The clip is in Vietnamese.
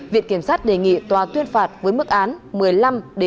viện kiểm sát đề nghị tòa tuyên phạt với mức án một mươi năm một mươi sáu năm tù